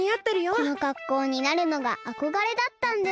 このかっこうになるのがあこがれだったんです。